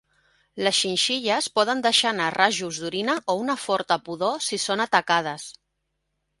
Les xinxilles poden deixar anar rajos d'orina o una forta pudor si són atacades.